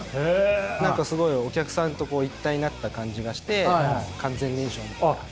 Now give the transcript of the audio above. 何かすごいお客さんと一体になった感じがして完全燃焼みたいな。